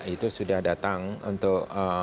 itu sudah datang untuk